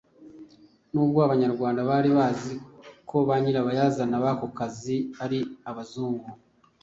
N'ubwo Abanyarwanda bari bazi ko ba nyirabayazana b'ako kazi ari Abazungu